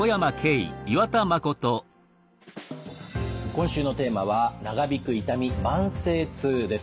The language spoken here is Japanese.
今週のテーマは「長引く痛み慢性痛」です。